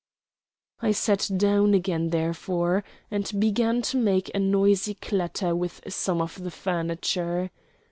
I sat down again, therefore, and began to make a noisy clatter with some of the furniture.